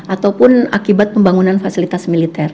ataupun akibat pembangunan fasilitas militer